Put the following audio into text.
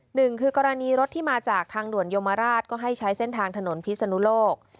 หนึ่งคือกรณีรถที่มาจากทางด่วนโยมราชก็ให้ใช้เส้นทางถนนพิศนุโลก